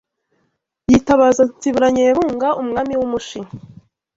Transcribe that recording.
yitabaza Nsibura Nyebunga, umwami w’Umushi